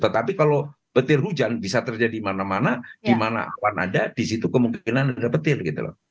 tetapi kalau petir hujan bisa terjadi mana mana di mana awan ada di situ kemungkinan ada petir gitu loh